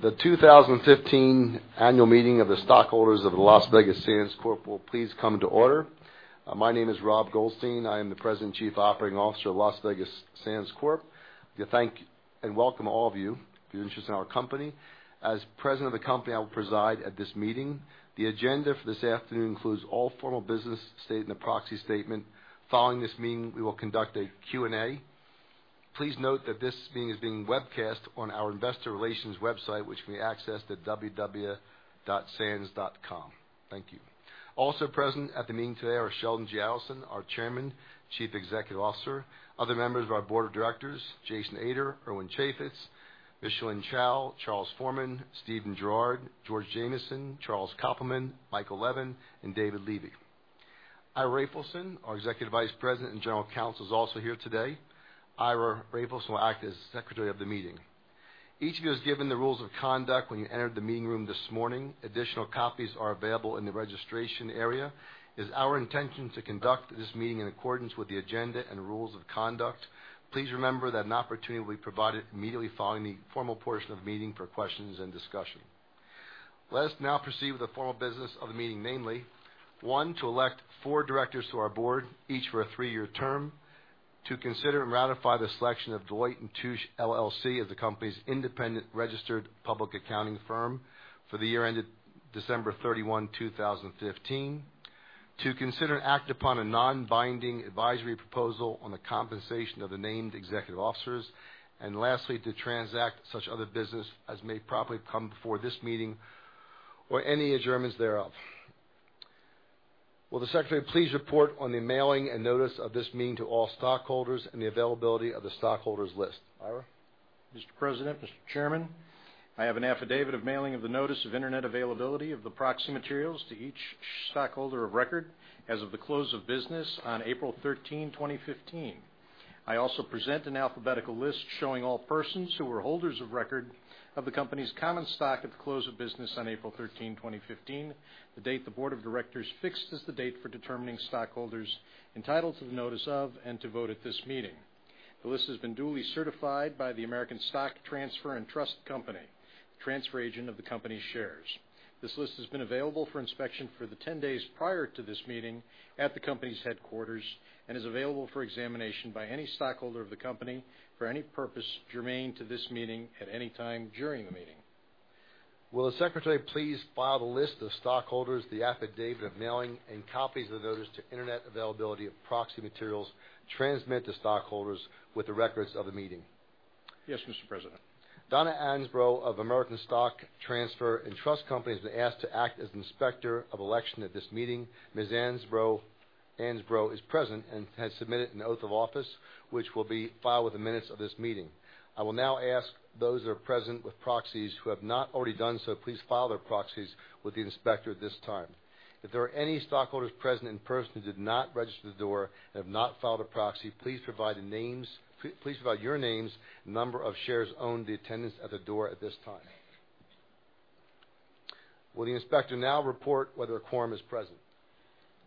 The 2015 annual meeting of the stockholders of the Las Vegas Sands Corp. will please come to order. My name is Rob Goldstein. I am the President and Chief Operating Officer of Las Vegas Sands Corp. I want to thank and welcome all of you for your interest in our company. As president of the company, I will preside at this meeting. The agenda for this afternoon includes all formal business stated in the proxy statement. Following this meeting, we will conduct a Q&A. Please note that this meeting is being webcast on our investor relations website, which can be accessed at www.sands.com. Thank you. Also present at the meeting today are Sheldon G. Adelson, our Chairman and Chief Executive Officer. Other members of our board of directors, Jason Ader, Irwin Chafetz, Micheline Chau, Charles Forman, Steven Gerard, George Jamieson, Charles Koppelman, Michael Leven, and David Levy. Ira Raphaelson, our Executive Vice President and General Counsel, is also here today. Ira Raphaelson will act as secretary of the meeting. Each of you was given the rules of conduct when you entered the meeting room this morning. Additional copies are available in the registration area. It is our intention to conduct this meeting in accordance with the agenda and rules of conduct. Please remember that an opportunity will be provided immediately following the formal portion of the meeting for questions and discussion. Let us now proceed with the formal business of the meeting, namely, one, to elect four directors to our board, each for a three-year term. Two, consider and ratify the selection of Deloitte & Touche LLP, as the company's independent registered public accounting firm for the year ended December 31, 2015. To consider and act upon a non-binding advisory proposal on the compensation of the named executive officers. Lastly, to transact such other business as may properly come before this meeting or any adjournments thereof. Will the secretary please report on the mailing and notice of this meeting to all stockholders and the availability of the stockholders list. Ira? Mr. President, Mr. Chairman, I have an affidavit of mailing of the notice of internet availability of the proxy materials to each stockholder of record as of the close of business on April 13, 2015. I also present an alphabetical list showing all persons who were holders of record of the company's common stock at the close of business on April 13, 2015, the date the board of directors fixed as the date for determining stockholders entitled to the notice of and to vote at this meeting. The list has been duly certified by the American Stock Transfer & Trust Company, transfer agent of the company's shares. This list has been available for inspection for the 10 days prior to this meeting at the company's headquarters and is available for examination by any stockholder of the company for any purpose germane to this meeting at any time during the meeting. Will the secretary please file the list of stockholders, the affidavit of mailing, and copies of the notice to internet availability of proxy materials transmitted to stockholders with the records of the meeting? Yes, Mr. President. Donna Ansbro of American Stock Transfer & Trust Company has been asked to act as Inspector of Election at this meeting. Ms. Ansbro is present and has submitted an oath of office, which will be filed with the minutes of this meeting. I will now ask those that are present with proxies who have not already done so, please file their proxies with the inspector at this time. If there are any stockholders present in person who did not register the door and have not filed a proxy, please provide your names, number of shares owned, the attendance at the door at this time. Will the inspector now report whether a quorum is present?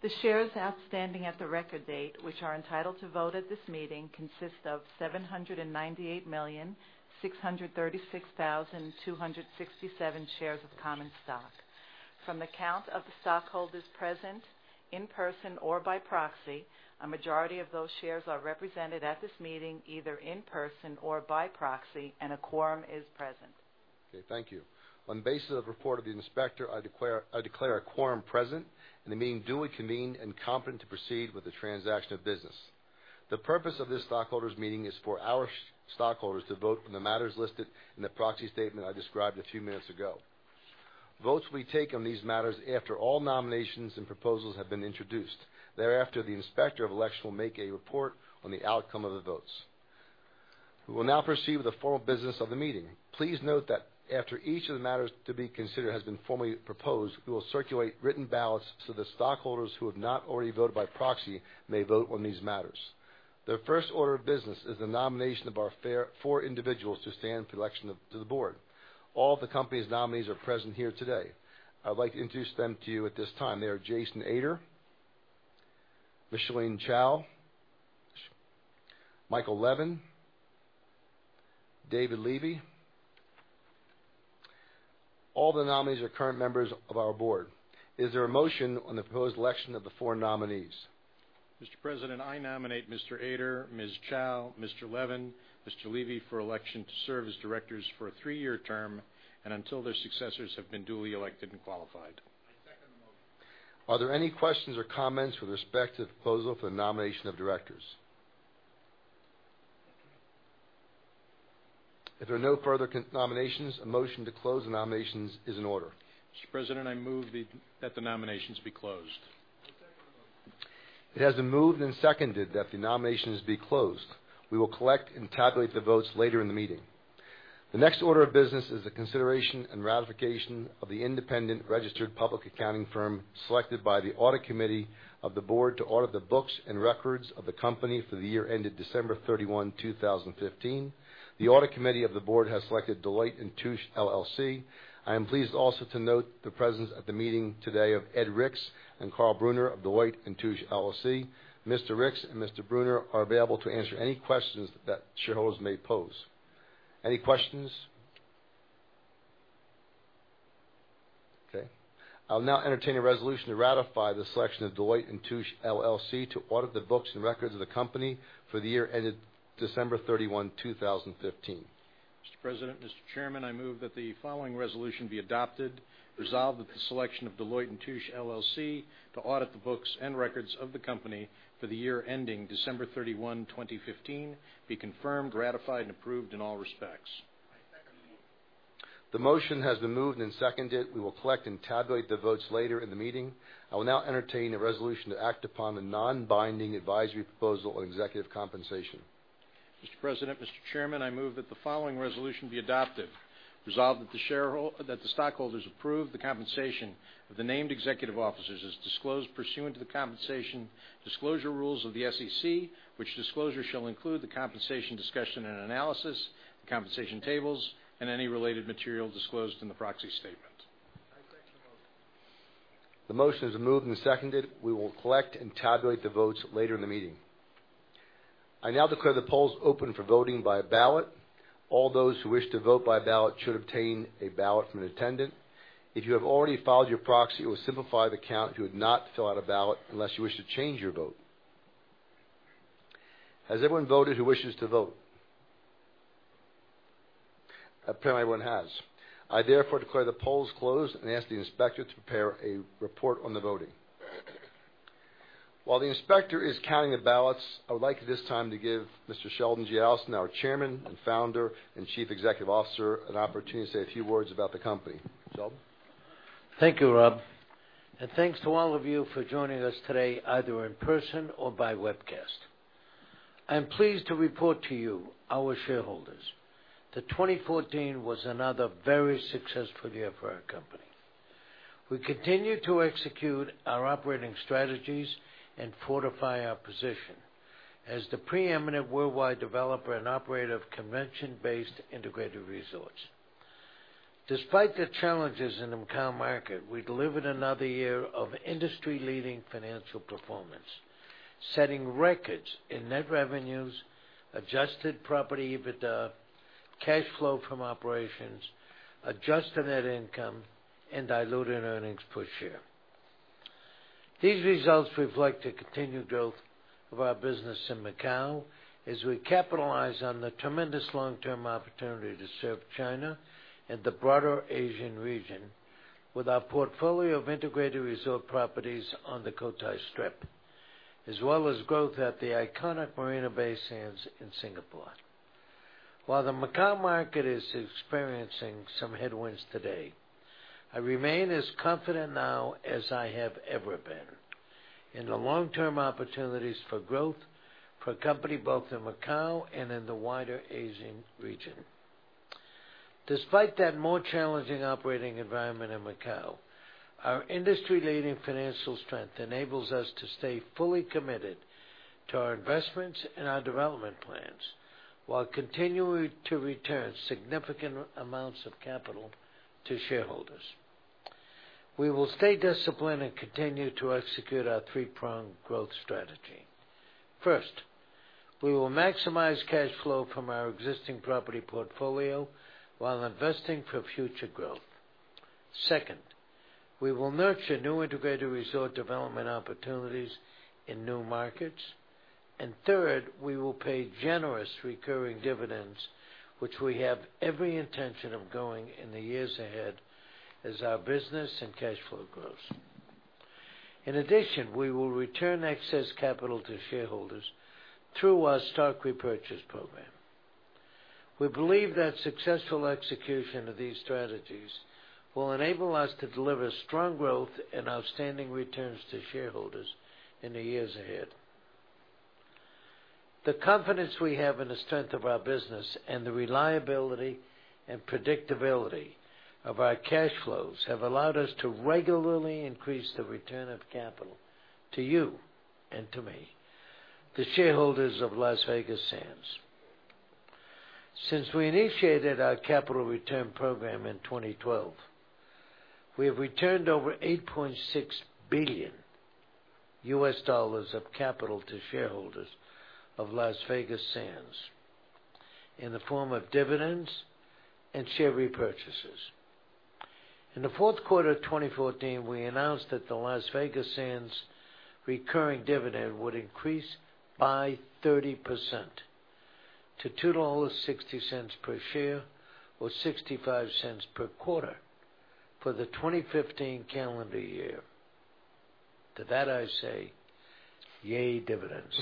The shares outstanding at the record date, which are entitled to vote at this meeting, consist of 798,636,267 shares of common stock. From the count of the stockholders present in person or by proxy, a majority of those shares are represented at this meeting, either in person or by proxy, and a quorum is present. Okay. Thank you. On the basis of the report of the inspector, I declare a quorum present and the meeting duly convened and competent to proceed with the transaction of business. The purpose of this stockholders meeting is for our stockholders to vote on the matters listed in the proxy statement I described a few minutes ago. Votes will be taken on these matters after all nominations and proposals have been introduced. Thereafter, the Inspector of Election will make a report on the outcome of the votes. We will now proceed with the formal business of the meeting. Please note that after each of the matters to be considered has been formally proposed, we will circulate written ballots so that stockholders who have not already voted by proxy may vote on these matters. The first order of business is the nomination of our four individuals to stand for election to the board. All of the company's nominees are present here today. I would like to introduce them to you at this time. They are Jason Ader, Micheline Chau, Michael Leven, David Levy. All the nominees are current members of our board. Is there a motion on the proposed election of the four nominees? Mr. President, I nominate Mr. Ader, Ms. Chau, Mr. Leven, Mr. Levy for election to serve as directors for a three-year term and until their successors have been duly elected and qualified. I second the motion. Are there any questions or comments with respect to the proposal for the nomination of directors? If there are no further nominations, a motion to close the nominations is in order. Mr. President, I move that the nominations be closed. I second the motion. It has been moved and seconded that the nominations be closed. We will collect and tabulate the votes later in the meeting. The next order of business is the consideration and ratification of the independent registered public accounting firm selected by the Audit Committee of the board to audit the books and records of the company for the year ended December 31, 2015. The Audit Committee of the board has selected Deloitte & Touche LLP. I am pleased also to note the presence at the meeting today of Ed Ricks and Carl Bruner of Deloitte & Touche LLP. Mr. Ricks and Mr. Bruner are available to answer any questions that shareholders may pose. Any questions? Okay. I'll now entertain a resolution to ratify the selection of Deloitte & Touche LLP to audit the books and records of the company for the year ended December 31, 2015. Mr. President, Mr. Chairman, I move that the following resolution be adopted: Resolved that the selection of Deloitte & Touche LLP to audit the books and records of the company for the year ending December 31, 2015, be confirmed, ratified, and approved in all respects. I second the motion. The motion has been moved and seconded. We will collect and tabulate the votes later in the meeting. I will now entertain a resolution to act upon the non-binding advisory proposal on executive compensation. Mr. President, Mr. Chairman, I move that the following resolution be adopted: Resolved that the stockholders approve the compensation of the named executive officers as disclosed pursuant to the compensation disclosure rules of the SEC, which disclosure shall include the compensation discussion and analysis, the compensation tables, and any related material disclosed in the proxy statement. I second the motion. The motion is moved and seconded. We will collect and tabulate the votes later in the meeting. I now declare the polls open for voting by ballot. All those who wish to vote by ballot should obtain a ballot from an attendant. If you have already filed your proxy, it will simplify the count if you would not fill out a ballot unless you wish to change your vote. Has everyone voted who wishes to vote? Apparently, everyone has. I therefore declare the polls closed and ask the inspector to prepare a report on the voting. While the inspector is counting the ballots, I would like at this time to give Mr. Sheldon G. Adelson, our Chairman, Founder, and Chief Executive Officer, an opportunity to say a few words about the company. Sheldon? Thank you, Rob. Thanks to all of you for joining us today, either in person or by webcast. I am pleased to report to you, our shareholders, that 2014 was another very successful year for our company. We continued to execute our operating strategies and fortify our position as the preeminent worldwide developer and operator of convention-based integrated resorts. Despite the challenges in the Macao market, we delivered another year of industry-leading financial performance, setting records in net revenues, adjusted property EBITDA, cash flow from operations, adjusted net income, and diluted earnings per share. These results reflect the continued growth of our business in Macao as we capitalize on the tremendous long-term opportunity to serve China and the broader Asian region with our portfolio of integrated resort properties on the Cotai Strip, as well as growth at the iconic Marina Bay Sands in Singapore. While the Macao market is experiencing some headwinds today, I remain as confident now as I have ever been in the long-term opportunities for growth for company, both in Macao and in the wider Asian region. Despite that more challenging operating environment in Macao, our industry-leading financial strength enables us to stay fully committed to our investments and our development plans while continuing to return significant amounts of capital to shareholders. We will stay disciplined and continue to execute our three-pronged growth strategy. First, we will maximize cash flow from our existing property portfolio while investing for future growth. Second, we will nurture new integrated resort development opportunities in new markets. Third, we will pay generous recurring dividends, which we have every intention of growing in the years ahead as our business and cash flow grows. We will return excess capital to shareholders through our stock repurchase program. We believe that successful execution of these strategies will enable us to deliver strong growth and outstanding returns to shareholders in the years ahead. The confidence we have in the strength of our business and the reliability and predictability of our cash flows have allowed us to regularly increase the return of capital to you and to me, the shareholders of Las Vegas Sands. Since we initiated our capital return program in 2012, we have returned over $8.6 billion of capital to shareholders of Las Vegas Sands in the form of dividends and share repurchases. In the fourth quarter of 2014, we announced that the Las Vegas Sands recurring dividend would increase by 30% to $2.60 per share or $0.65 per quarter for the 2015 calendar year. I say, yay, dividends.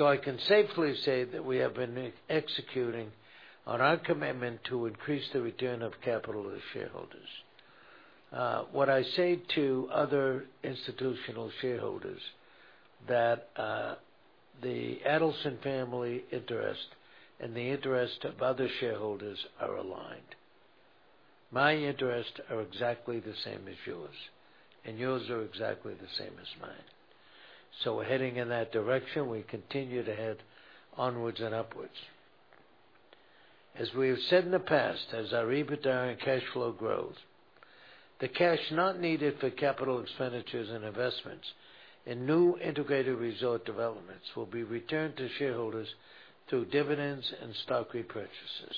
I can safely say that we have been executing on our commitment to increase the return of capital to the shareholders. What I say to other institutional shareholders, that the Adelson family interest and the interest of other shareholders are aligned. My interests are exactly the same as yours, and yours are exactly the same as mine. We're heading in that direction. We continue to head onwards and upwards. As we have said in the past, as our EBITDA and cash flow grows. The cash not needed for capital expenditures and investments in new integrated resort developments will be returned to shareholders through dividends and stock repurchases.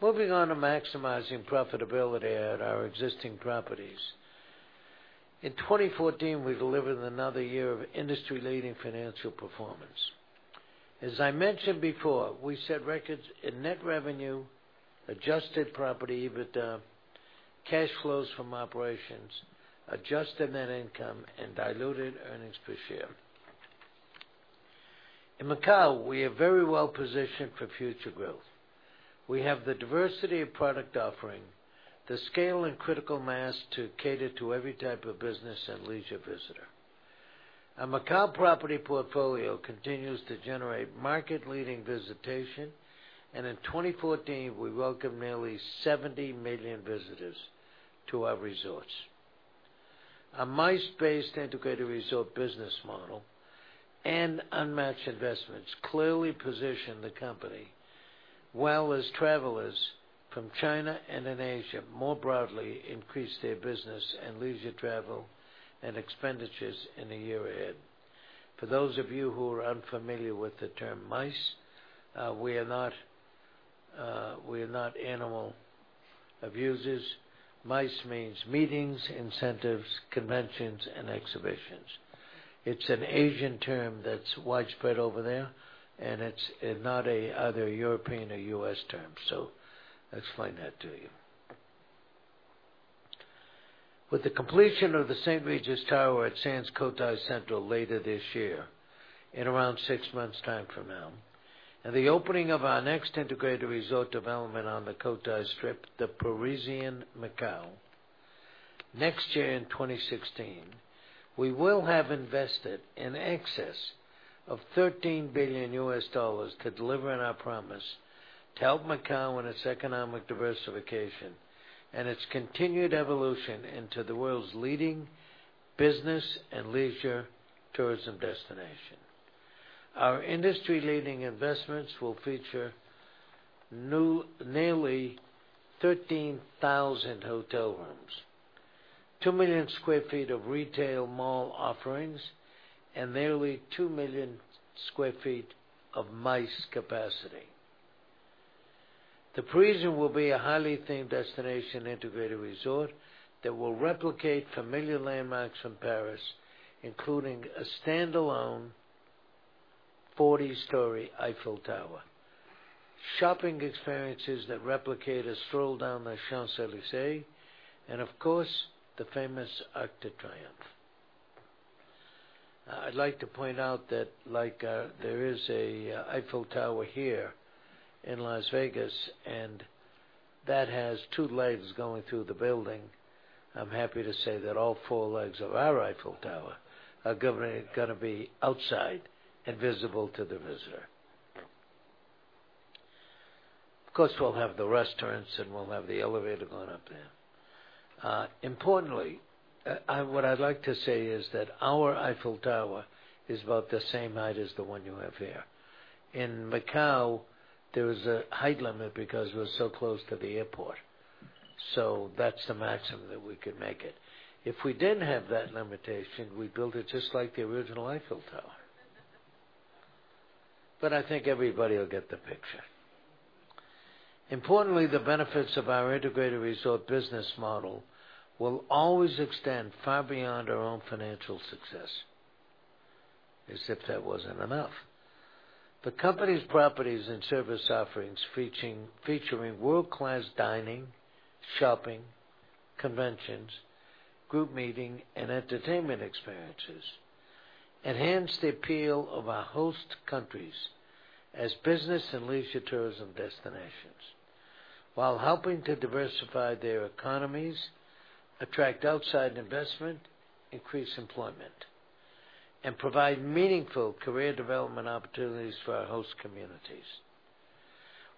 Moving on to maximizing profitability at our existing properties. In 2014, we delivered another year of industry-leading financial performance. As I mentioned before, we set records in net revenue, adjusted property EBITDA, cash flows from operations, adjusted net income, and diluted earnings per share. In Macao, we are very well positioned for future growth. We have the diversity of product offering, the scale and critical mass to cater to every type of business and leisure visitor. Our Macao property portfolio continues to generate market-leading visitation, and in 2014, we welcomed nearly 70 million visitors to our resorts. Our MICE-based integrated resort business model and unmatched investments clearly position the company well as travelers from China and in Asia more broadly increase their business and leisure travel and expenditures in the year ahead. For those of you who are unfamiliar with the term MICE, we are not animal abusers. MICE means Meetings, Incentives, Conventions, and Exhibitions. It's an Asian term that's widespread over there. It's not either a European or U.S. term. Explain that to you. With the completion of the St. Regis Tower at Sands Cotai Central later this year, in around six months' time from now, and the opening of our next integrated resort development on the Cotai Strip, The Parisian Macao, next year in 2016, we will have invested in excess of $13 billion to deliver on our promise to help Macao in its economic diversification and its continued evolution into the world's leading business and leisure tourism destination. Our industry-leading investments will feature nearly 13,000 hotel rooms, 2 million sq ft of retail mall offerings, and nearly 2 million sq ft of MICE capacity. The Parisian will be a highly themed destination integrated resort that will replicate familiar landmarks from Paris, including a standalone 40-story Eiffel Tower, shopping experiences that replicate a stroll down the Champs-Élysées, and of course, the famous Arc de Triomphe. I'd like to point out that there is an Eiffel Tower here in Las Vegas, and that has two legs going through the building. I'm happy to say that all four legs of our Eiffel Tower are going to be outside and visible to the visitor. Of course, we'll have the restaurants, and we'll have the elevator going up there. Importantly, what I'd like to say is that our Eiffel Tower is about the same height as the one you have here. In Macau, there was a height limit because we're so close to the airport. That's the maximum that we could make it. If we didn't have that limitation, we'd build it just like the original Eiffel Tower. I think everybody will get the picture. Importantly, the benefits of our integrated resort business model will always extend far beyond our own financial success, as if that wasn't enough. The company's properties and service offerings featuring world-class dining, shopping, conventions, group meeting, and entertainment experiences enhance the appeal of our host countries as business and leisure tourism destinations while helping to diversify their economies, attract outside investment, increase employment, and provide meaningful career development opportunities for our host communities.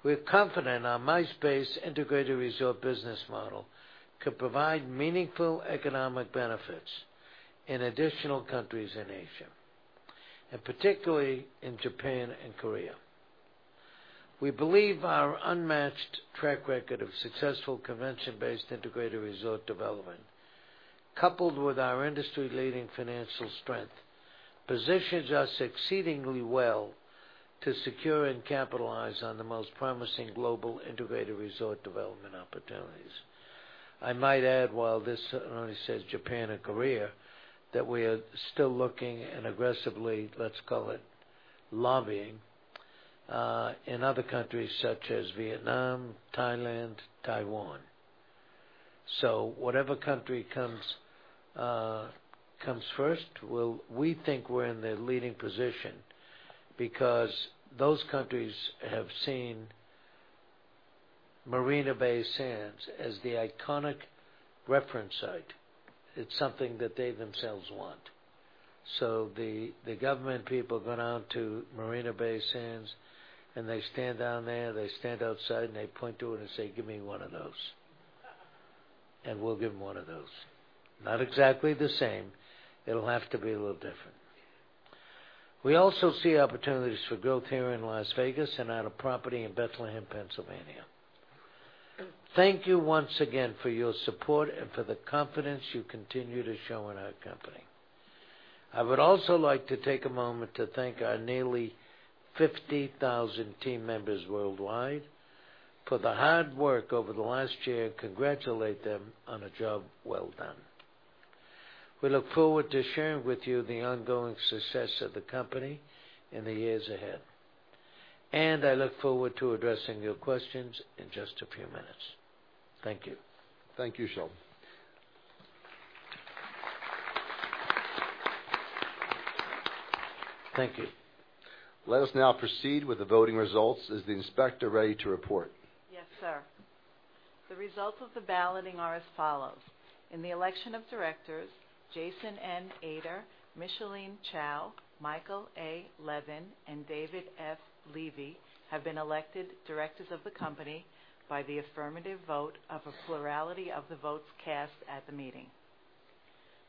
We're confident our MICE space integrated resort business model could provide meaningful economic benefits in additional countries in Asia, and particularly in Japan and Korea. We believe our unmatched track record of successful convention-based integrated resort development, coupled with our industry-leading financial strength, positions us exceedingly well to secure and capitalize on the most promising global integrated resort development opportunities. I might add, while this only says Japan and Korea, that we are still looking and aggressively, let's call it lobbying, in other countries such as Vietnam, Thailand, Taiwan. Whatever country comes first, we think we're in the leading position because those countries have seen Marina Bay Sands as the iconic reference site. It's something that they themselves want. The government people go down to Marina Bay Sands, and they stand down there, they stand outside, and they point to it and say, "Give me one of those." We'll give them one of those. Not exactly the same. It'll have to be a little different. We also see opportunities for growth here in Las Vegas and out of property in Bethlehem, Pennsylvania. Thank you once again for your support and for the confidence you continue to show in our company. I would also like to take a moment to thank our nearly 50,000 team members worldwide for the hard work over the last year, and congratulate them on a job well done. We look forward to sharing with you the ongoing success of the company in the years ahead. I look forward to addressing your questions in just a few minutes. Thank you. Thank you, Sheldon. Thank you. Let us now proceed with the voting results. Is the inspector ready to report? Yes, sir. The results of the balloting are as follows: In the election of directors, Jason N. Ader, Micheline Chau, Michael A. Leven, and David F. Levy have been elected directors of the company by the affirmative vote of a plurality of the votes cast at the meeting.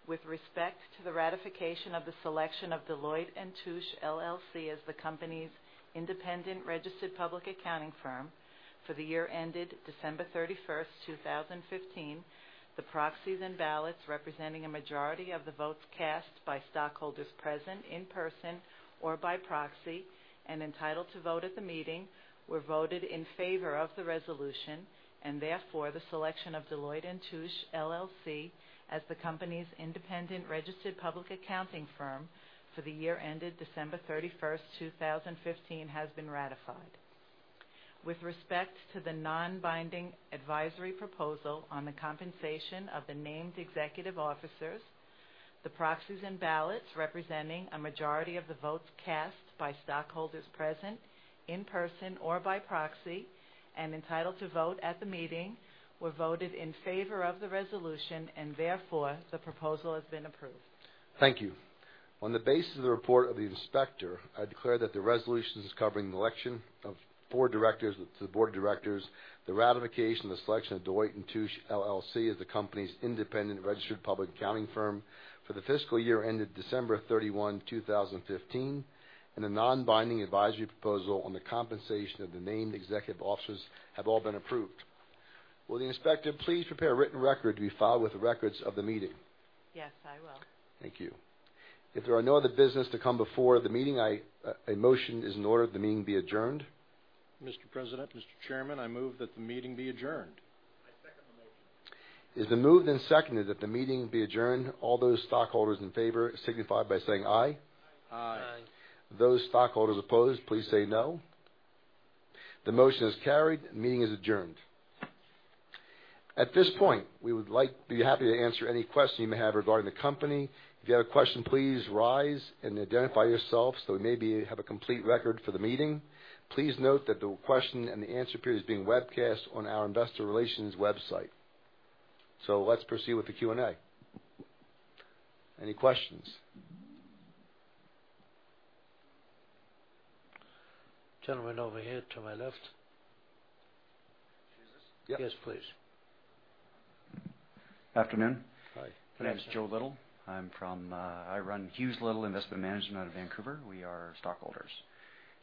With respect to the ratification of the selection of Deloitte & Touche LLP, as the company's independent registered public accounting firm for the year ended December 31st, 2015, the proxies and ballots representing a majority of the votes cast by stockholders present in person or by proxy and entitled to vote at the meeting were voted in favor of the resolution. Therefore, the selection of Deloitte & Touche LLP, as the company's independent registered public accounting firm for the year ended December 31st, 2015, has been ratified. With respect to the non-binding advisory proposal on the compensation of the named executive officers, the proxies and ballots representing a majority of the votes cast by stockholders present in person or by proxy and entitled to vote at the meeting were voted in favor of the resolution, and therefore, the proposal has been approved. Thank you. On the basis of the report of the inspector, I declare that the resolutions covering the election of four directors to the board of directors, the ratification of the selection of Deloitte & Touche LLP, as the company's independent registered public accounting firm for the fiscal year ended December 31, 2015, and the non-binding advisory proposal on the compensation of the named executive officers have all been approved. Will the inspector please prepare a written record to be filed with the records of the meeting? Yes, I will. Thank you. If there are no other business to come before the meeting, a motion is in order that the meeting be adjourned. Mr. President, Mr. Chairman, I move that the meeting be adjourned. I second the motion. It is moved and seconded that the meeting be adjourned. All those stockholders in favor, signify by saying aye. Aye. Aye. Those stockholders opposed, please say no. The motion is carried. The meeting is adjourned. At this point, we would be happy to answer any question you may have regarding the company. If you have a question, please rise and identify yourself so we maybe have a complete record for the meeting. Please note that the question and the answer period is being webcast on our investor relations website. Let's proceed with the Q&A. Any questions? Gentleman over here to my left. Jesus? Yes, please. Afternoon. Hi. My name is Joe Little. I run HughesLittle Investment Management of Vancouver. We are stockholders.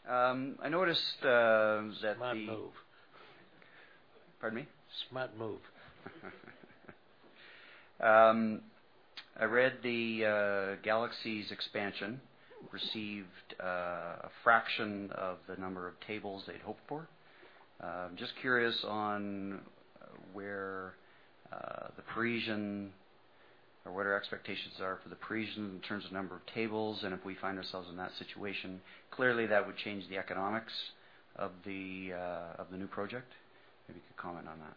Smart move. Pardon me? Smart move. I read the Galaxy's expansion received a fraction of the number of tables they'd hoped for. I'm just curious on what our expectations are for The Parisian in terms of number of tables, and if we find ourselves in that situation. Clearly, that would change the economics of the new project. Maybe you could comment on that.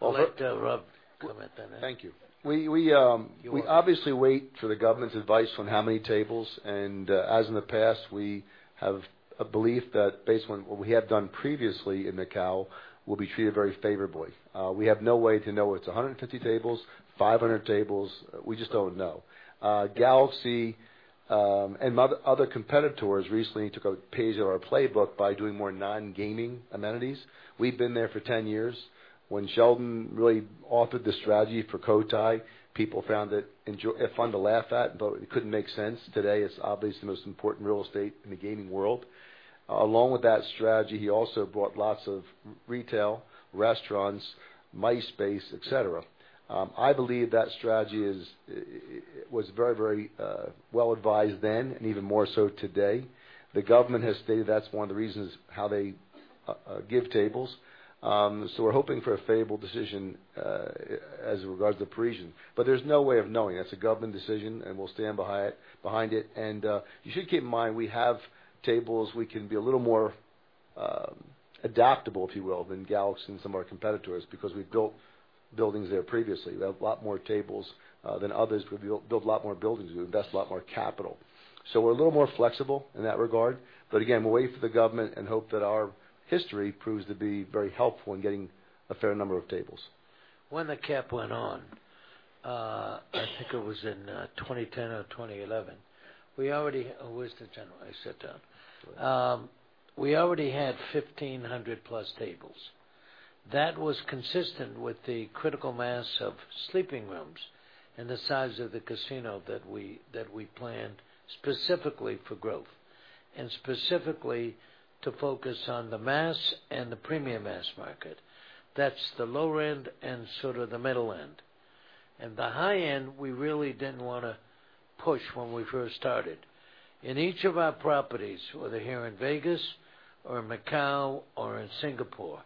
Well, let Rob comment on that. Thank you. You're welcome. We obviously wait for the government's advice on how many tables. As in the past, we have a belief that based on what we have done previously in Macau, we'll be treated very favorably. We have no way to know if it's 150 tables, 500 tables. We just don't know. Galaxy and other competitors recently took a page out of our playbook by doing more non-gaming amenities. We've been there for 10 years. When Sheldon really authored the strategy for Cotai, people found it fun to laugh at, but it couldn't make sense. Today, it's obviously the most important real estate in the gaming world. Along with that strategy, he also brought lots of retail, restaurants, MICE space, et cetera. I believe that strategy was very well advised then, and even more so today. The government has stated that's one of the reasons how they give tables. We're hoping for a favorable decision as it regards to Parisian. There's no way of knowing. That's a government decision. We'll stand behind it. You should keep in mind, we have tables, we can be a little more adaptable, if you will, than Galaxy and some of our competitors because we've built buildings there previously. We have a lot more tables than others because we built a lot more buildings. We invest a lot more capital. We're a little more flexible in that regard. Again, we'll wait for the government and hope that our history proves to be very helpful in getting a fair number of tables. When the cap went on, I think it was in 2010 or 2011. Where's the gentleman? I said that. We already had 1,500-plus tables. That was consistent with the critical mass of sleeping rooms and the size of the casino that we planned specifically for growth and specifically to focus on the mass and the premium mass market. That's the lower end and sort of the middle end. The high end, we really didn't want to push when we first started. In each of our properties, whether here in Vegas or Macau or in Singapore,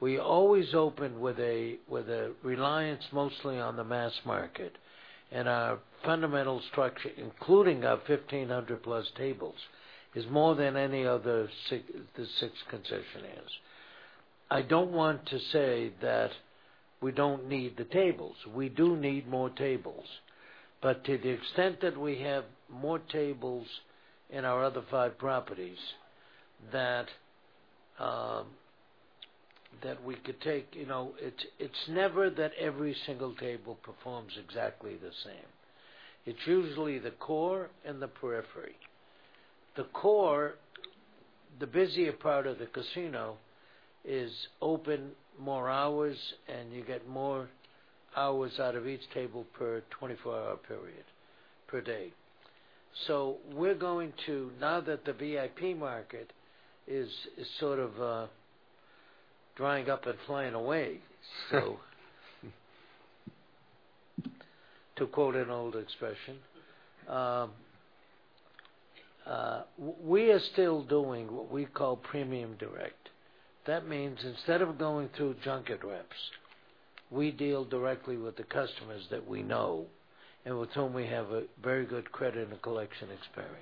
we always opened with a reliance mostly on the mass market. Our fundamental structure, including our 1,500-plus tables, is more than any of the six concessionaires. I don't want to say that we don't need the tables. We do need more tables. To the extent that we have more tables in our other five properties that we could take, it's never that every single table performs exactly the same. It's usually the core and the periphery. The core, the busier part of the casino, is open more hours, and you get more hours out of each table per 24-hour period, per day. We're going to, now that the VIP market is sort of drying up and flying away, to quote an old expression. We are still doing what we call premium direct. That means instead of going through junket reps, we deal directly with the customers that we know and with whom we have a very good credit and collection experience.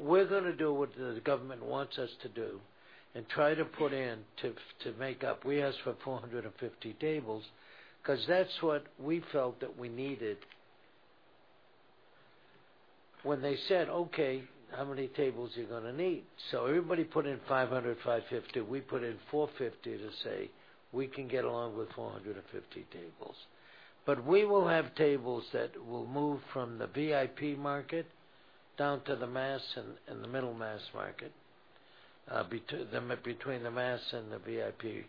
We're going to do what the government wants us to do and try to put in to make up. We asked for 450 tables because that's what we felt that we needed when they said, "Okay, how many tables are you going to need?" Everybody put in 500, 550. We put in 450 to say we can get along with 450 tables. We will have tables that will move from the VIP market down to the mass and the middle mass market, between the mass and the VIP.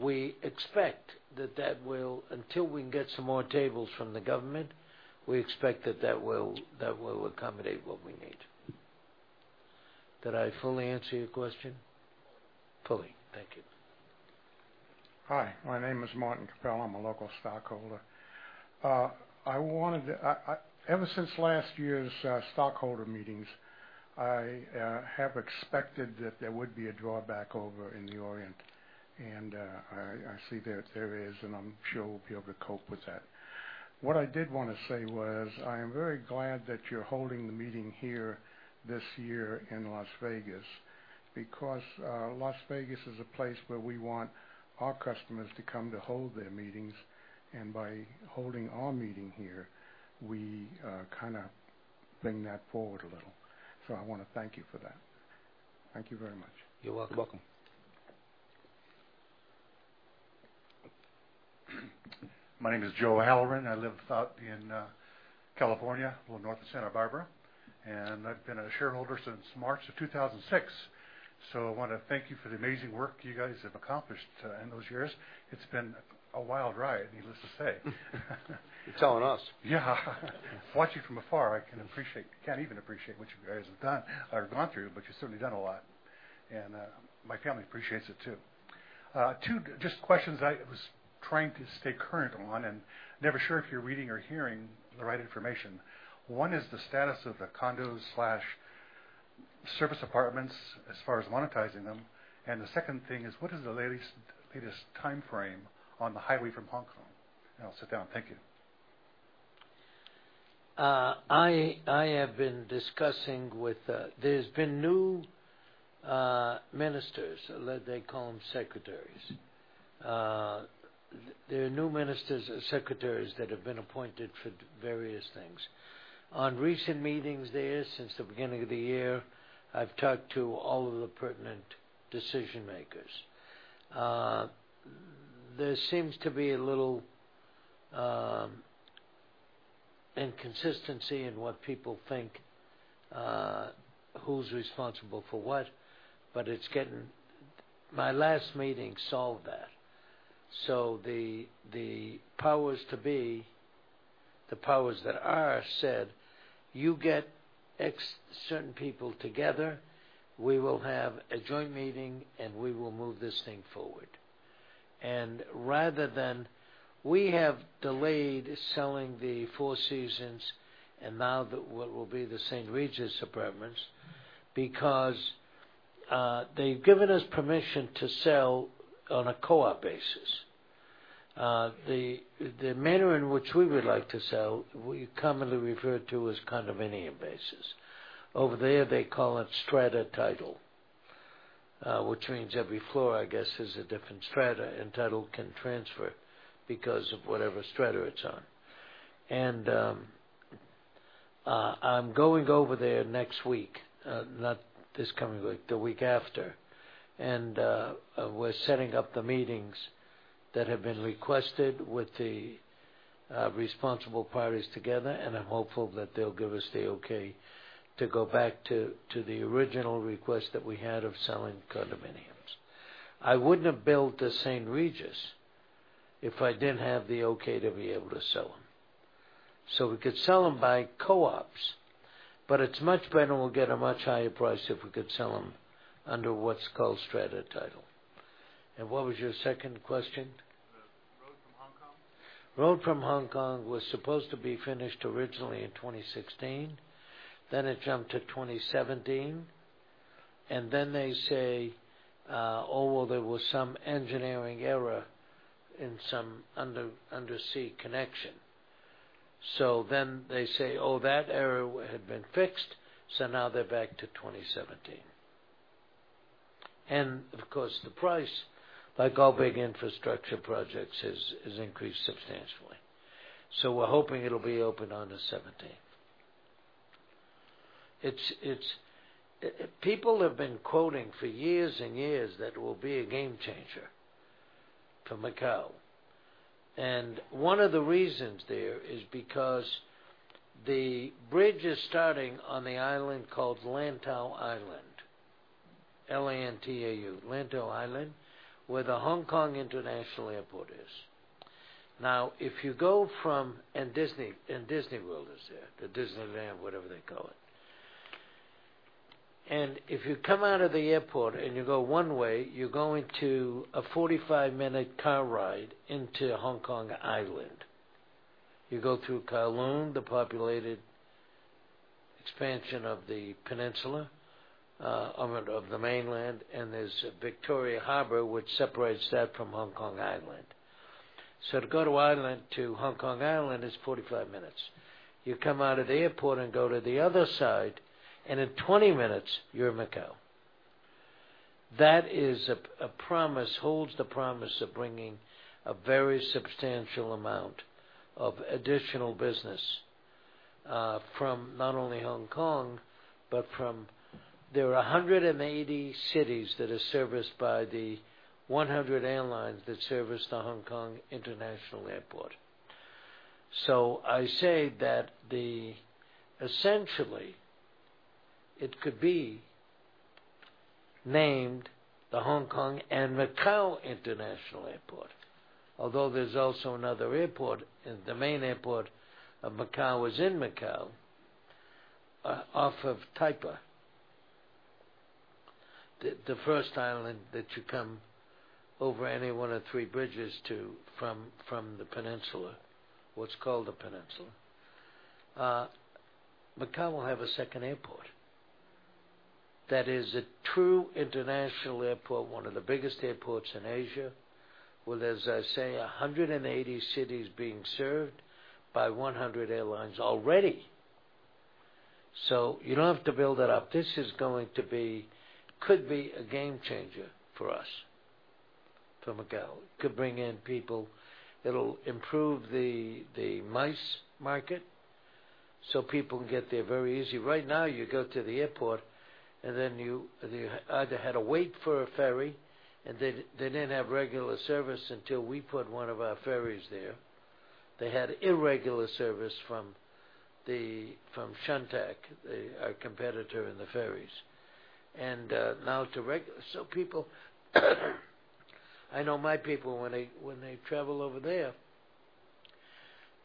We expect that that will, until we can get some more tables from the government, we expect that that will accommodate what we need. Did I fully answer your question? Fully. Fully. Thank you. Hi, my name is Martin Capella. I'm a local stockholder. Ever since last year's stockholder meetings, I have expected that there would be a drawback over in the Orient, and I see that there is, and I'm sure we'll be able to cope with that. What I did want to say was I am very glad that you're holding the meeting here this year in Las Vegas because Las Vegas is a place where we want our customers to come to hold their meetings, and by holding our meeting here, we kind of bring that forward a little. I want to thank you for that. Thank you very much. You're welcome. Welcome. My name is Joe Halloran. I live out in California, a little north of Santa Barbara, and I've been a shareholder since March of 2006. I want to thank you for the amazing work you guys have accomplished in those years. It's been a wild ride, needless to say. You're telling us. Yeah. Watching from afar, I can't even appreciate what you guys have done or gone through, but you've certainly done a lot, and my family appreciates it, too. Two just questions I was trying to stay current on and never sure if you're reading or hearing the right information. One is the status of the condos/service apartments as far as monetizing them, and the second thing is, what is the latest timeframe on the highway from Hong Kong? I'll sit down. Thank you. I have been discussing with There's been new ministers. They call them secretaries. There are new ministers or secretaries that have been appointed for various things. On recent meetings there since the beginning of the year, I've talked to all of the pertinent decision-makers. There seems to be a little inconsistency in what people think who's responsible for what, but my last meeting solved that. The powers to be, the powers that are said, "You get X, certain people together, we will have a joint meeting, and we will move this thing forward." Rather than we have delayed selling the Four Seasons and now what will be the St. Regis Apartments because they've given us permission to sell on a co-op basis. The manner in which we would like to sell, we commonly refer to as condominium basis. Over there, they call it strata title, which means every floor, I guess, is a different strata, and title can transfer because of whatever strata it's on. I'm going over there next week, not this coming week, the week after, we're setting up the meetings that have been requested with the Responsible parties together, I'm hopeful that they'll give us the okay to go back to the original request that we had of selling condominiums. I wouldn't have built the St. Regis if I didn't have the okay to be able to sell them. We could sell them by co-ops, but it's much better, we'll get a much higher price if we could sell them under what's called strata title. What was your second question? The road from Hong Kong. Road from Hong Kong was supposed to be finished originally in 2016. It jumped to 2017, they say, "Oh, well, there was some engineering error in some undersea connection." They say, "Oh, that error had been fixed," now they're back to 2017. Of course, the price, like all big infrastructure projects, has increased substantially. We're hoping it'll be open on the 17th. People have been quoting for years and years that it will be a game changer for Macau. One of the reasons there is because the bridge is starting on the island called Lantau Island, L-A-N-T-A-U, Lantau Island, where the Hong Kong International Airport is. Disney World is there, the Disneyland, whatever they call it. If you come out of the airport and you go one way, you're going to a 45-minute car ride into Hong Kong Island. You go through Kowloon, the populated expansion of the peninsula, of the mainland, there's Victoria Harbour, which separates that from Hong Kong Island. To go to Hong Kong Island is 45 minutes. You come out of the airport and go to the other side, in 20 minutes, you're in Macau. That holds the promise of bringing a very substantial amount of additional business from not only Hong Kong, but from There are 180 cities that are serviced by the 100 airlines that service the Hong Kong International Airport. I say that essentially, it could be named the Hong Kong and Macau International Airport, although there's also another airport. The main airport of Macau is in Macau, off of Taipa, the first island that you come over any one of three bridges to from the peninsula, what's called the peninsula. Macau will have a second airport that is a true international airport, one of the biggest airports in Asia, with, as I say, 180 cities being served by 100 airlines already. You don't have to build that up. This could be a game changer for us, for Macau. It could bring in people. It'll improve the MICE market so people can get there very easy. Right now, you go to the airport, you either had to wait for a ferry, they didn't have regular service until we put one of our ferries there. They had irregular service from Shun Tak, our competitor in the ferries. I know my people, when they travel over there,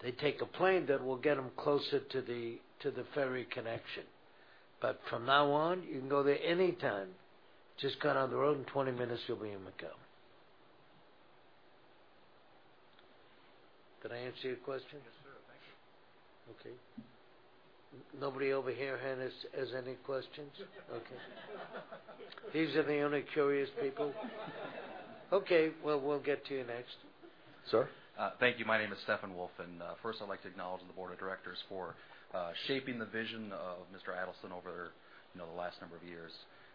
they take a plane that will get them closer to the ferry connection. From now on, you can go there anytime. Just got on the road, in 20 minutes you'll be in Macau. Did I answer your question? Yes, sir. Thank you. Okay. Nobody over here has any questions? Okay. These are the only curious people? Okay. Well, we'll get to you next. Sir. Thank you. My name is Stephan Wolf. First I'd like to acknowledge the board of directors for shaping the vision of Mr. Adelson over the last number of years.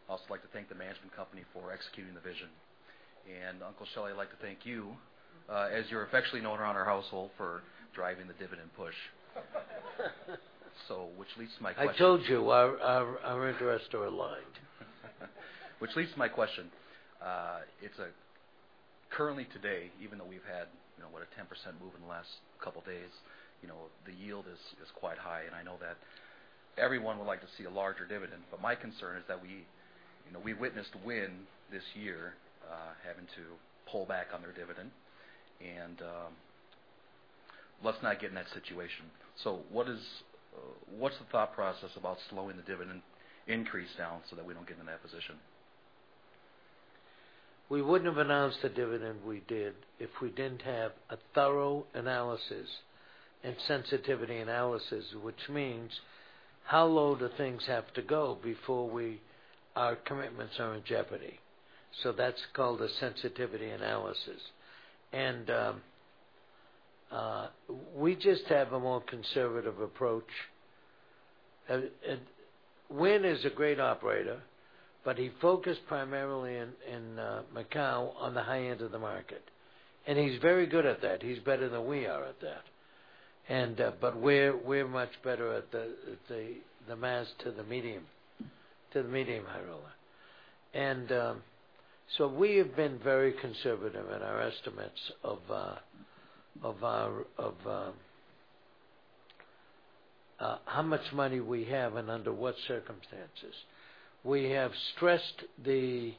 I'd also like to thank the management company for executing the vision. Uncle Shelly, I'd like to thank you, as you're affectionately known around our household, for driving the dividend push. Which leads to my question. I told you our interests are aligned. Which leads to my question. Currently today, even though we've had a 10% move in the last couple of days, the yield is quite high, and I know that everyone would like to see a larger dividend. My concern is that we witnessed Wynn this year having to pull back on their dividend, and let's not get in that situation. What's the thought process about slowing the dividend increase down so that we don't get into that position? We wouldn't have announced the dividend we did if we didn't have a thorough analysis and sensitivity analysis, which means how low do things have to go before our commitments are in jeopardy. That's called a sensitivity analysis. We just have a more conservative approach. Wynn is a great operator, but he focused primarily in Macau on the high end of the market. He's very good at that. He's better than we are at that. We're much better at the mass to the medium, to the medium high roller. We have been very conservative in our estimates of how much money we have and under what circumstances. We have stressed the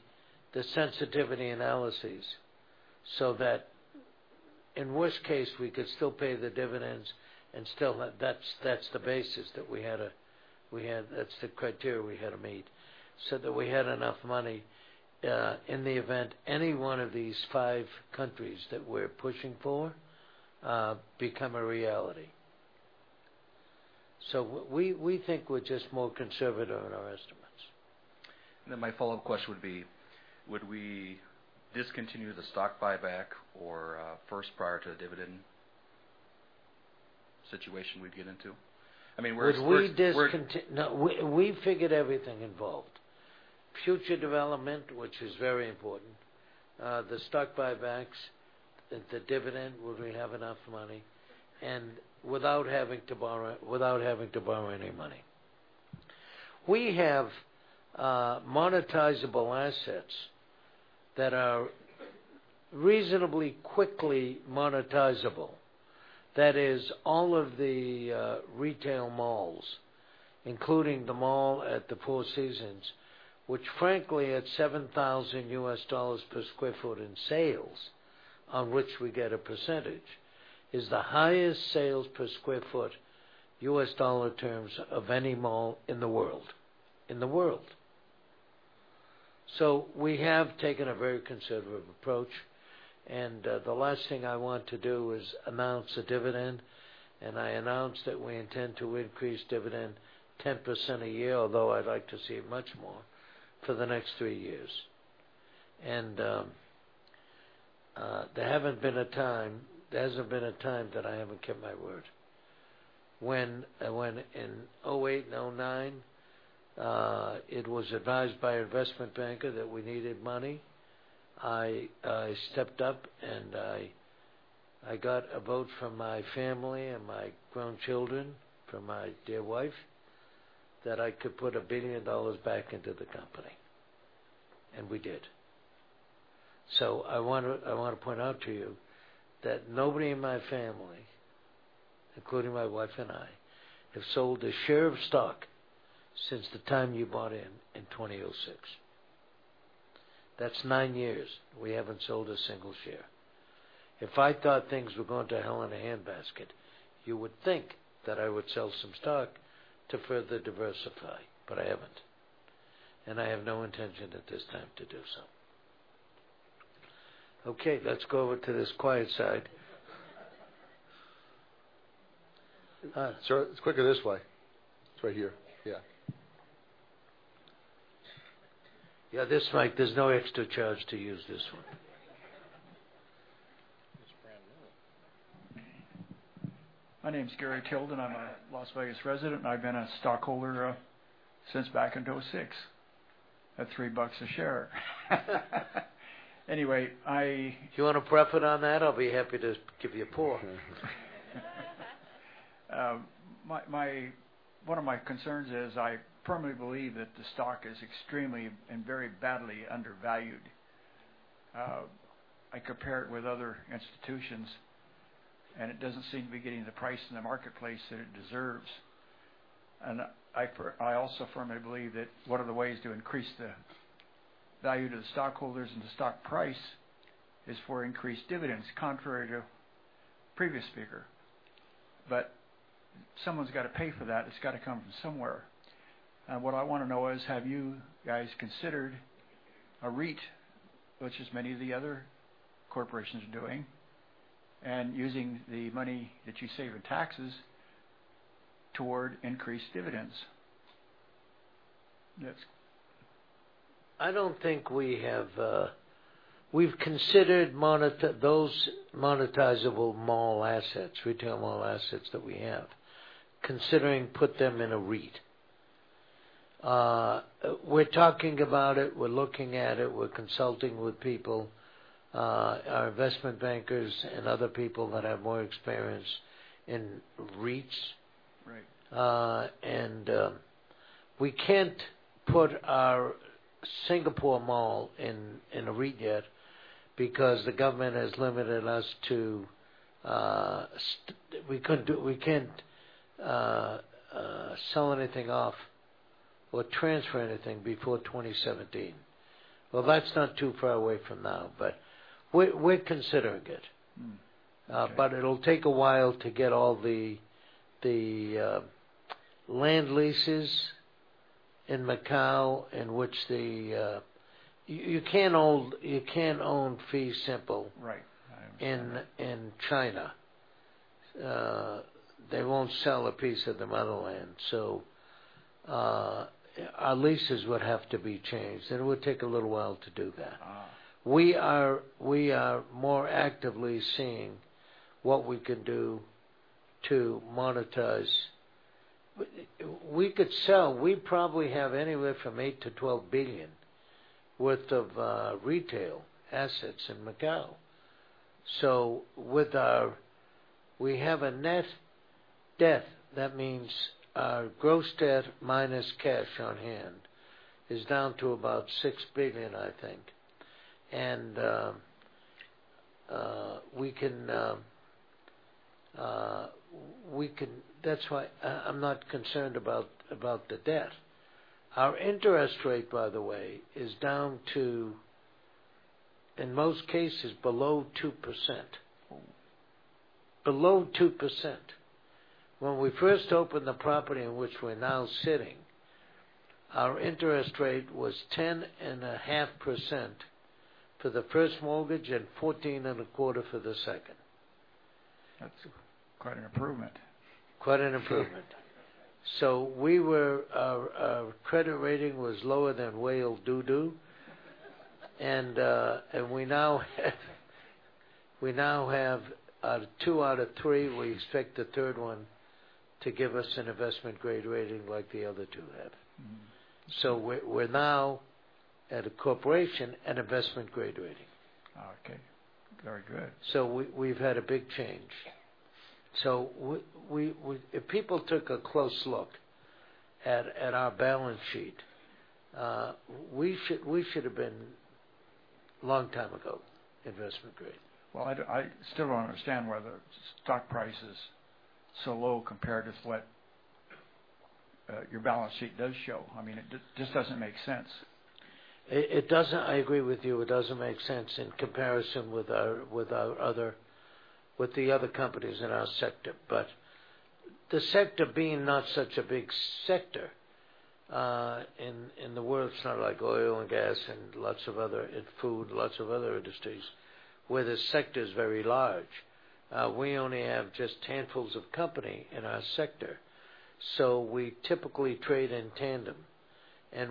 sensitivity analyses so that in worst-case, we could still pay the dividends and still that's the basis that we had, that's the criteria we had to meet, so that we had enough money in the event any one of these five countries that we're pushing for become a reality. We think we're just more conservative in our estimates. My follow-up question would be, would we discontinue the stock buyback or first prior to the dividend situation we'd get into? I mean, we're. Would we discontinue? No, we figured everything involved. Future development, which is very important, the stock buybacks, the dividend, would we have enough money, and without having to borrow any money. We have monetizable assets that are reasonably quickly monetizable. That is all of the retail malls, including the mall at the Four Seasons, which frankly at $7,000 per sq ft in sales, on which we get a percentage, is the highest sales per sq ft U.S. dollar terms of any mall in the world. We have taken a very conservative approach, the last thing I want to do is announce a dividend, I announce that we intend to increase dividend 10% a year, although I'd like to see it much more, for the next three years. There hasn't been a time that I haven't kept my word. When in 2008 and 2009, it was advised by investment banker that we needed money, I stepped up and I got a vote from my family and my grown children, from my dear wife, that I could put $1 billion back into the company, and we did. I want to point out to you that nobody in my family, including my wife and I, have sold a share of stock since the time you bought in in 2006. That's nine years we haven't sold a single share. If I thought things were going to hell in a handbasket, you would think that I would sell some stock to further diversify, I haven't, I have no intention at this time to do so. Okay, let's go over to this quiet side. Sir, it's quicker this way. It's right here, yeah. Yeah, this mic, there's no extra charge to use this one. It's brand new. My name's Gary Tilden. I'm a Las Vegas resident, and I've been a stockholder since back in 2006 at $3 a share. Anyway. If you want a profit on that, I'll be happy to give you a pull. One of my concerns is I firmly believe that the stock is extremely and very badly undervalued. I compare it with other institutions, and it doesn't seem to be getting the price in the marketplace that it deserves. I also firmly believe that one of the ways to increase the value to the stockholders and the stock price is for increased dividends, contrary to previous speaker. Someone's got to pay for that. It's got to come from somewhere. What I want to know is, have you guys considered a REIT, which is many of the other corporations are doing, and using the money that you save in taxes toward increased dividends? That's. We've considered those monetizable mall assets, retail mall assets that we have, considering put them in a REIT. We're talking about it. We're looking at it. We're consulting with people, our investment bankers and other people that have more experience in REITs. Right. We can't put our Singapore Mall in a REIT yet because the government has limited us. We can't sell anything off or transfer anything before 2017. That's not too far away from now. We're considering it. Okay. It'll take a while to get all the land leases in Macau in which the You can't own fee simple- Right. I understand In China. They won't sell a piece of the motherland, so our leases would have to be changed, and it would take a little while to do that. We are more actively seeing what we can do to monetize. We could sell, we probably have anywhere from $8 billion-$12 billion worth of retail assets in Macau. With our-- We have a net debt. That means our gross debt minus cash on hand is down to about $6 billion, I think. That's why I'm not concerned about the debt. Our interest rate, by the way, is down to, in most cases, below 2%. Below 2%. When we first opened the property in which we're now sitting, our interest rate was 10.5% for the first mortgage and 14.25% for the second. That's quite an improvement. Quite an improvement. Yeah. Our credit rating was lower than whale doo doo. We now have two out of three. We expect the third one to give us an investment-grade rating like the other two have. We're now, at a corporation, an investment-grade rating. Okay. Very good. We've had a big change. If people took a close look at our balance sheet, we should've been, a long time ago, investment grade. I still don't understand why the stock price is so low compared with what your balance sheet does show. It just doesn't make sense. I agree with you. It doesn't make sense in comparison with the other companies in our sector. The sector being not such a big sector in the world, it's not like oil and gas and food, lots of other industries where the sector is very large. We only have just handfuls of company in our sector. We typically trade in tandem.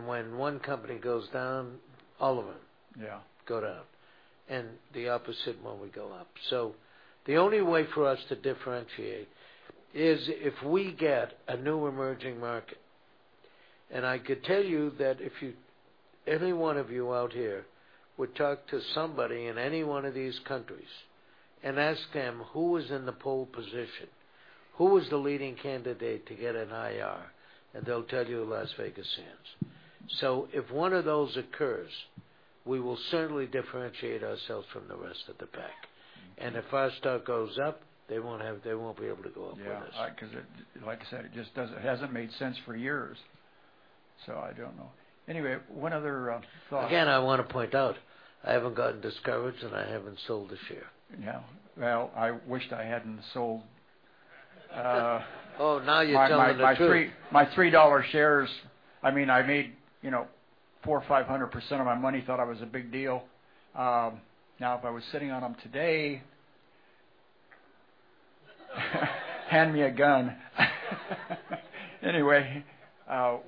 When one company goes down, all of them- Yeah go down, and the opposite when we go up. The only way for us to differentiate is if we get a new emerging market. I could tell you that if any one of you out here would talk to somebody in any one of these countries and ask them who is in the pole position, who is the leading candidate to get an IR, and they'll tell you Las Vegas Sands. If one of those occurs, we will certainly differentiate ourselves from the rest of the pack. If our stock goes up, they won't be able to go up with us. Yeah, because like I said, it just hasn't made sense for years. I don't know. Anyway, one other thought. Again, I want to point out, I haven't gotten discouraged, and I haven't sold a share. Yeah. Well, I wished I hadn't sold. Oh, now you're telling the truth my $3 shares. I made 400% or 500% of my money, thought I was a big deal. Now, if I was sitting on them today. Hand me a gun.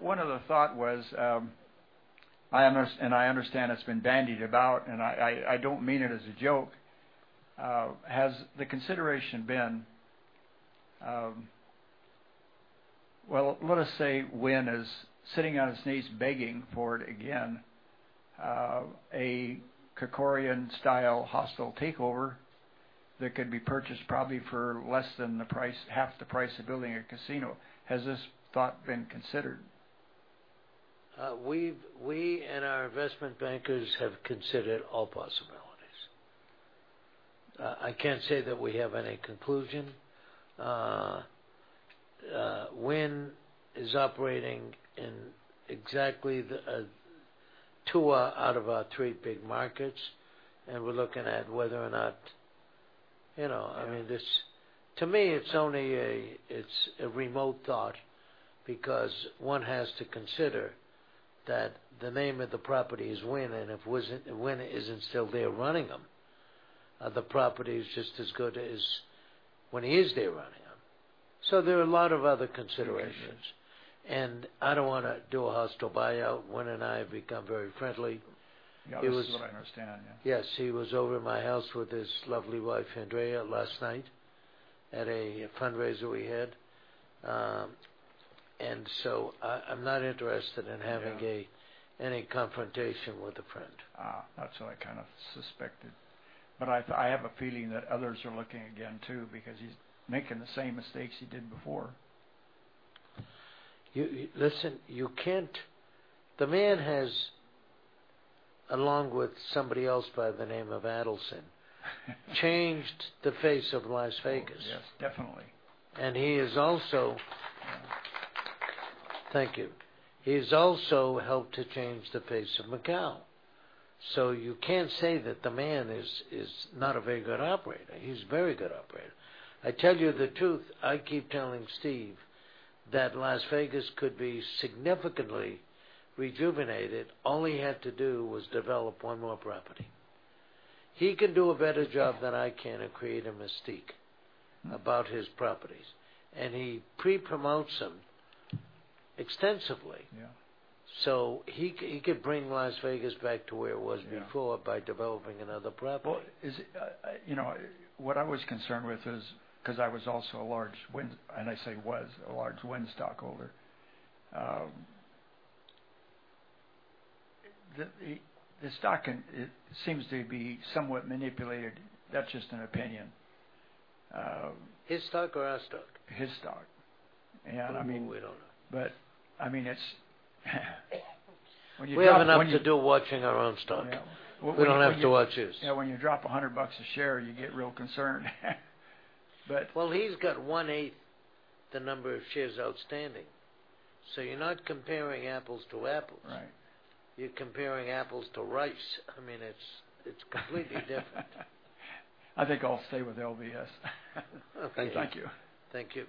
One other thought was, and I understand it's been bandied about, and I don't mean it as a joke, has the consideration been Well, let us say Wynn is sitting on his knees begging for it again, a Kerkorian-style hostile takeover that could be purchased probably for less than half the price of building a casino. Has this thought been considered? We and our investment bankers have considered all possibilities. I can't say that we have any conclusion. Wynn is operating in exactly two out of our three big markets, and we're looking at whether or not Yeah. To me, it's only a remote thought because one has to consider that the name of the property is Wynn, and if Wynn isn't still there running them, the property is just as good as when he is there running them. There are a lot of other considerations. considerations. I don't want to do a hostile buyout. Wynn and I have become very friendly. Yeah, this is what I understand. Yeah. Yes. He was over at my house with his lovely wife, Andrea, last night at a fundraiser we had. Yeah any confrontation with a friend. That's what I kind of suspected. I have a feeling that others are looking again, too, because he's making the same mistakes he did before. Listen, the man has, along with somebody else by the name of Adelson, changed the face of Las Vegas. Yes. Definitely. He has also. Thank you. He's also helped to change the face of Macau. You can't say that the man is not a very good operator. He's a very good operator. I tell you the truth, I keep telling Steve that Las Vegas could be significantly rejuvenated. All he had to do was develop one more property. He can do a better job than I can at creating a mystique about his properties, and he pre-promotes them extensively. Yeah. He could bring Las Vegas back to where it was before. Yeah By developing another property. Well, what I was concerned with is, because I was also a large Wynn, and I say was a large Wynn stockholder. The stock seems to be somewhat manipulated. That's just an opinion. His stock or our stock? His stock. We don't know. It's when you. We have enough to do watching our own stock. Yeah. We don't have to watch his. Yeah, when you drop $100 a share, you get real concerned. Well, he's got one-eighth the number of shares outstanding. You're not comparing apples to apples. Right. You're comparing apples to rice. It's completely different. I think I'll stay with LVS. Okay. Thank you. Thank you.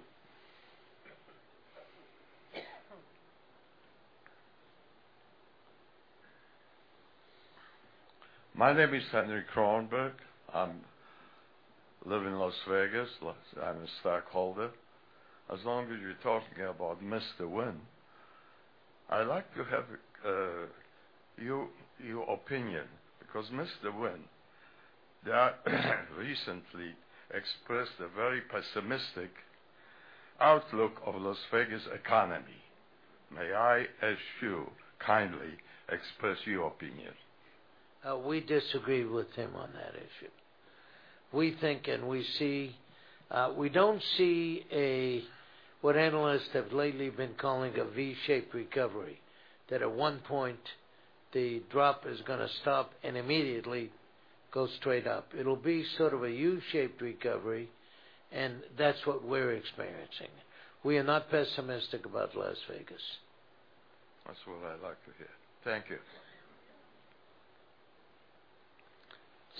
My name is Henry Kronberg. I live in Las Vegas. I'm a stockholder. As long as you're talking about Mr. Wynn, I like to have your opinion, because Mr. Wynn recently expressed a very pessimistic outlook of Las Vegas economy. May I ask you, kindly, express your opinion? We disagree with him on that issue. We don't see what analysts have lately been calling a V-shaped recovery, that at one point the drop is going to stop and immediately go straight up. It'll be sort of a U-shaped recovery, and that's what we're experiencing. We are not pessimistic about Las Vegas. That's what I like to hear. Thank you.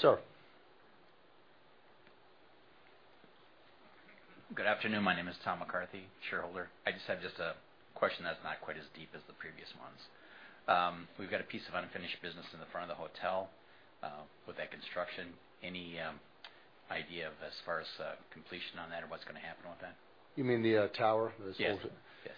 Sir. Good afternoon. My name is Tom McCarthy, shareholder. I just have a question that's not quite as deep as the previous ones. We've got a piece of unfinished business in the front of the hotel with that construction. Any idea as far as completion on that or what's going to happen with that? You mean the tower? The skeleton. Yes.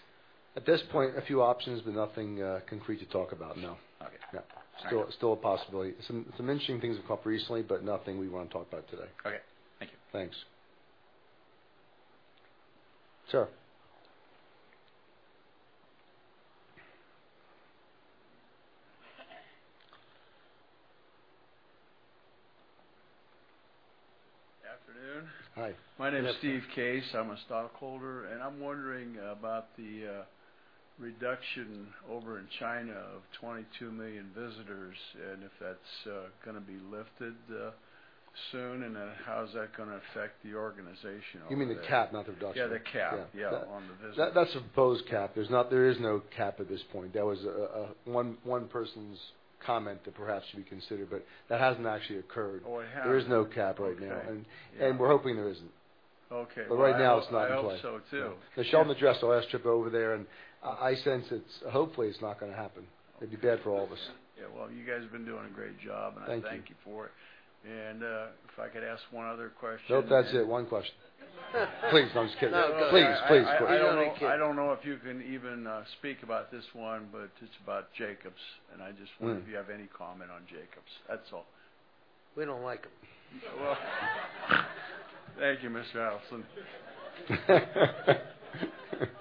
At this point, a few options, but nothing concrete to talk about, no. Okay. Yeah. Still a possibility. Some interesting things have come up recently, but nothing we want to talk about today. Okay. Thank you. Thanks. Sir. Afternoon. Hi. My name is Steve Case. I'm a stockholder, and I'm wondering about the reduction over in China of 22 million visitors, and if that's going to be lifted soon, and then how is that going to affect the organization over there? You mean the cap, not the reduction? Yeah, the cap. Yeah. On the visitors. That's a proposed cap. There is no cap at this point. That was one person's comment that perhaps should be considered, but that hasn't actually occurred. Oh, it hasn't. There is no cap right now. Okay. Yeah. We're hoping there isn't. Okay. Right now, it's not in play. I hope so, too. Sheldon Adelson has last trip over there, and I sense, hopefully, it's not going to happen. It'd be bad for all of us. Yeah. Well, you guys have been doing a great job. Thank you. I thank you for it. If I could ask one other question. Nope, that's it. One question. Please, I'm just kidding. Please. We only kid. I don't know if you can even speak about this one, but it's about Jacobs, and I just wonder if you have any comment on Jacobs. That's all. We don't like him. Well, thank you, Mr. Adelson.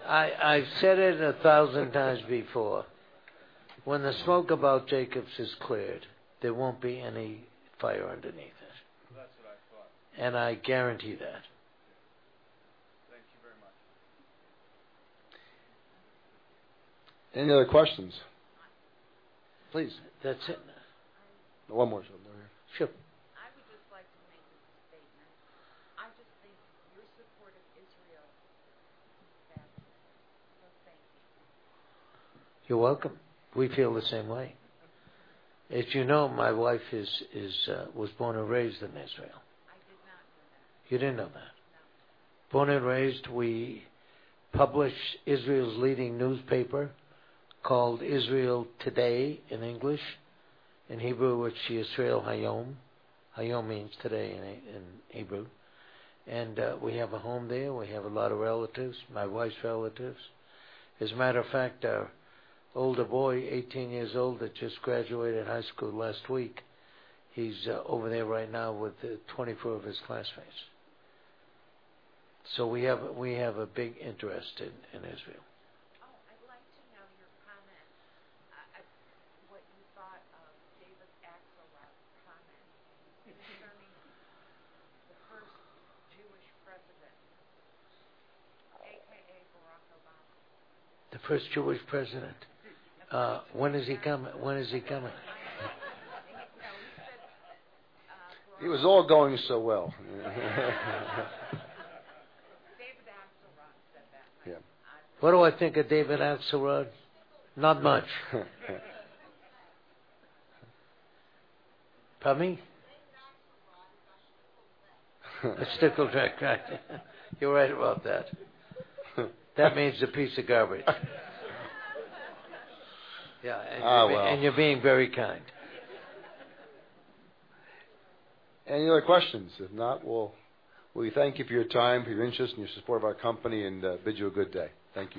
I've said it a thousand times before. When the smoke about Jacobs is cleared, there won't be any fire underneath it. That's what I thought. I guarantee that. Thank you very much. Any other questions? Please. That's it. One more. Sure. I would just like to make a statement. I just think your support of Israel has been fantastic. Thank you. You're welcome. We feel the same way. As you know, my wife was born and raised in Israel. I did not know that. You didn't know that? No. Born and raised. We publish Israel's leading newspaper called "Israel Hayom" in English, in Hebrew, which is "Yisrael Hayom." Hayom means today in Hebrew. We have a home there. We have a lot of relatives, my wife's relatives. As a matter of fact, our older boy, 18 years old, that just graduated high school last week, he's over there right now with 24 of his classmates. We have a big interest in Israel. I'd like to know your comments, what you thought of David Axelrod's comment concerning the first Jewish president, AKA Barack Obama. The first Jewish president. When is he coming? He said Barack- It was all going so well. David Axelrod said that. Yeah. What do I think of David Axelrod? Not much. Pardon me? David Axelrod is a shtickel dick. A shtickel dick, right. You're right about that. That means a piece of garbage. Yeah. Oh, well. You're being very kind. Any other questions? If not, well, we thank you for your time, for your interest, and your support of our company, and bid you a good day. Thank you.